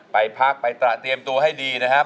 ไปพักไปตระเตรียมตัวให้ดีนะครับ